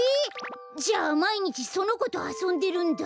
じゃあまいにちそのことあそんでるんだ。